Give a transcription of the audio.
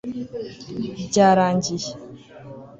byarangiye